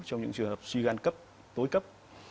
trong những trường hợp suy gan cấp tối cấp